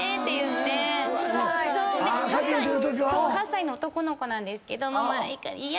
８歳の男の子なんですけど。